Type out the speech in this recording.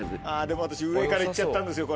でも私上から行っちゃったんですよ